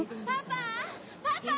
パパ！